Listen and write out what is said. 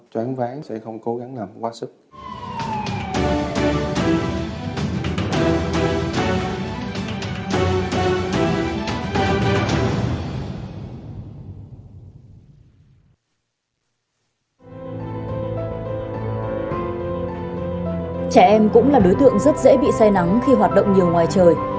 trẻ em cũng là đối tượng rất dễ bị say nắng khi hoạt động nhiều ngoài trời